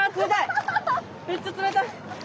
めっちゃ冷たい。